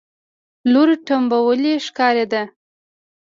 لور ټومبلی ښکارېده.